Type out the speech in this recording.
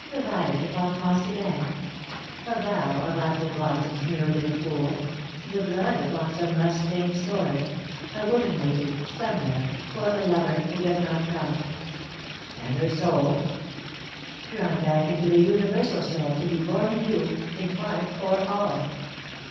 A violet upon a mossy bank, a bough of apple blossoms mirrored in a pool, the blood upon some rust stained sword, a woman waiting, somewhere, for a lover who does not come." "And her soul?" "Drawn back into the Universal soul, to be born anew, in part or all."